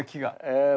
ええ。